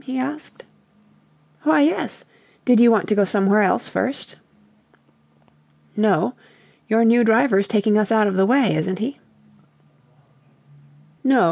he asked. "Why, yes! Did you want to go somewhere else first?" "No. Your new driver's taking us out of the way, isn't he?" "No.